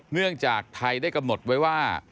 เนื่องจากไทยได้กำหนดไว้ว่า